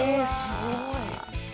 すごい。